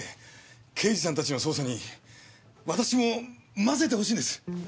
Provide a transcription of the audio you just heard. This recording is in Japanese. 刑事さんたちの捜査に私も混ぜてほしいんです。